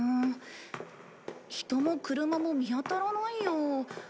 人も車も見当たらないよ。